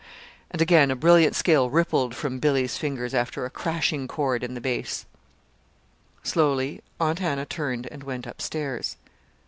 And again a brilliant scale rippled from Billy's fingers after a crashing chord in the bass. Slowly Aunt Hannah turned and went up stairs.